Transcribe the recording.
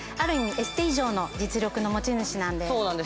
エステ以上の実力の持ち主なんです